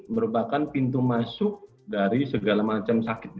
merupakan pintu masuk dari segala macam sakit